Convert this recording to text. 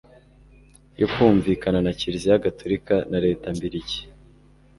yo kumvikana na kiliziya gatolika na leta mbiligi